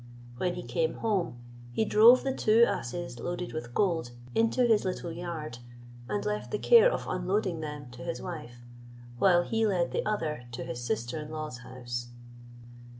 When he came home, he drove the two asses loaded with gold into his little yard, and left the care of unloading them to his wife, while he led the other to his sister in law's house.